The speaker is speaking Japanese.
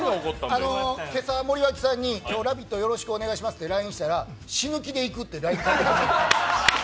今朝森脇さんに今日「ラヴィット！」よろしくお願いしますってＬＩＮＥしたら、死ぬ気でいくってＬＩＮＥ返ってきました。